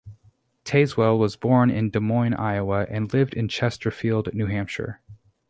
Tazewell was born in Des Moines, Iowa and lived in Chesterfield, New Hampshire.